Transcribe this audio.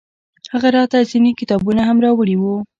هغه راته ځينې کتابونه هم راوړي وو.